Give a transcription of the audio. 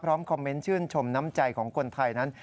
คอมเมนต์ชื่นชมน้ำใจของคนไทยนั้น